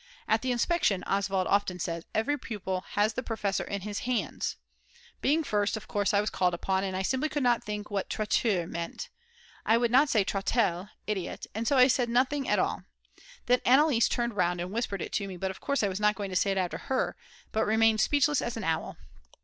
"At the inspection," Oswald often says, "every pupil has the professor in his hands." Being first, of course I was called upon, and I simply could not think what "trotteur" meant. I would not say "Trottel" [idiot], and so I said nothing at all. Then Anneliese turned round and whispered it to me, but of course I was not going to say it after her, but remained speechless as an owl.